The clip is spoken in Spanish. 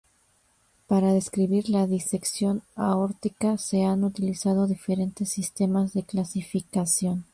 Para describir la "disección aórtica" se han utilizado diferentes sistemas de clasificación.